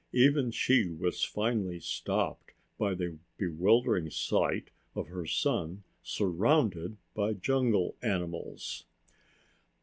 Even she was finally stopped by the bewildering sight of her son surrounded by jungle animals.